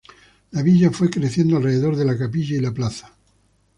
La villa fue creciendo alrededor de la capilla y la plaza.